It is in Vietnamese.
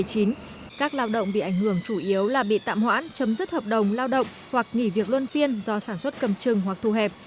các lao động bị ảnh hưởng chủ yếu là bị tạm hoãn chấm dứt hợp đồng lao động hoặc nghỉ việc luân phiên do sản xuất cầm chừng hoặc thu hẹp